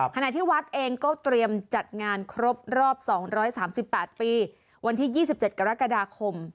ขณะที่วัดเองก็เตรียมจัดงานครบรอบ๒๓๘ปีวันที่๒๗กรกฎาคม